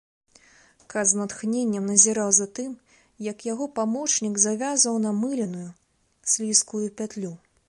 Кат з натхненнем назіраў за тым, як яго памочнік завязваў намыленую, слізкую пятлю.